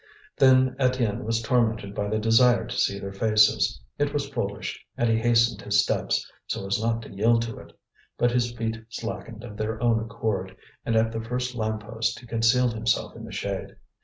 Then Étienne was tormented by the desire to see their faces. It was foolish, and he hastened his steps, so as not to yield to it; but his feet slackened of their own accord, and at the first lamppost he concealed himself in the shade.